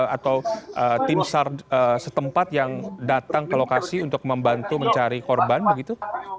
atau tim sar setempat yang datang ke lokasi untuk membantu mencari korban begitu